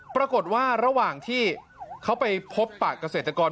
ระหว่างที่เขาไปพบปากเกษตรกร